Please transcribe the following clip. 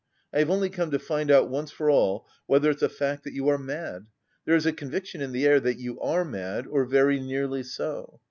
I have only come to find out once for all whether it's a fact that you are mad? There is a conviction in the air that you are mad or very nearly so.